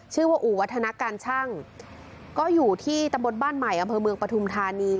ชื่อว่าอู่วัฒนาการช่างก็อยู่ที่ตำบลบ้านใหม่อำเภอเมืองปฐุมธานี